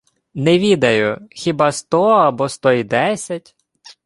— Не відаю. Хіба сто або сто й десять...